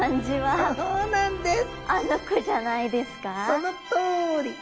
そのとおり！